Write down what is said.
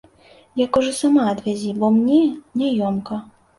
Я кажу, сама адвязі, бо мне няёмка.